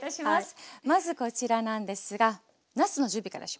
まずこちらなんですがなすの準備からしますね。